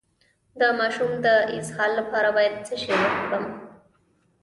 د ماشوم د اسهال لپاره باید څه شی ورکړم؟